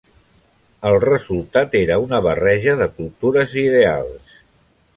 El resultat era una barreja de cultures i ideals.